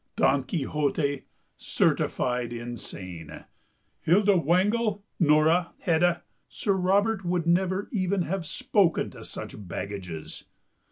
Don Quixote certified insane. Hilda Wangel, Nora, Hedda—Sir Robert would never even have spoken to such baggages!